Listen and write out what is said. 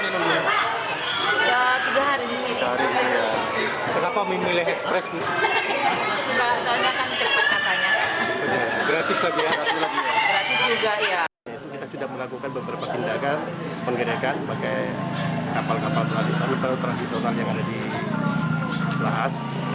kita sudah melakukan beberapa tindakan penggerakan pakai kapal kapal tradisional yang ada di pulau raas